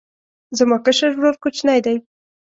زما کشر ورور کوچنی دی